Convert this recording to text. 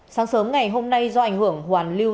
sáng sớm ngày hôm nay do ảnh hưởng hoàn lưu